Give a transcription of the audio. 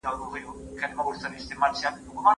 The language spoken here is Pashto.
واټسن وايي چي استاد باید لومړۍ مسوده وګوري.